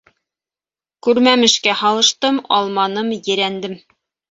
Күрмәмешкә һалыштым, алманым, ерәндем.